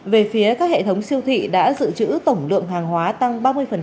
về phía các hệ thống siêu thị đã dự trữ tổng lượng hàng hóa tăng ba mươi